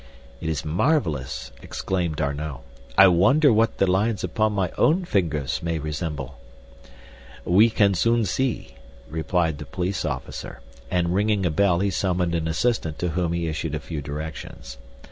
"It is marvelous," exclaimed D'Arnot. "I wonder what the lines upon my own fingers may resemble." "We can soon see," replied the police officer, and ringing a bell he summoned an assistant to whom he issued a few directions.